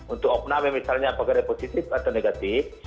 untuk okname misalnya apakah dia positif atau negatif